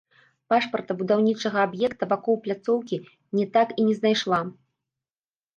Пашпарта будаўнічага аб'екта вакол пляцоўкі не так і не знайшла.